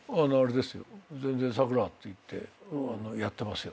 全然「サクラ」って言ってやってますよ。